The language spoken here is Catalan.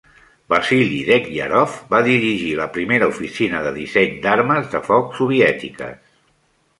Vasily Degtyaryov va dirigir la primera oficina de disseny d'armes de foc soviètiques.